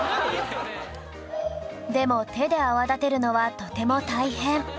でも手で泡立てるのはとても大変